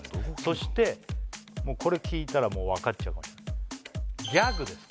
そしてこれ聞いたらもうわかっちゃうかもしれないギャグです